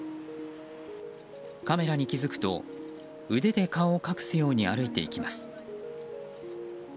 カメラに気付くと、腕で顔を隠すように歩いていきます。